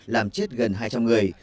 làm chết gần hai trăm linh người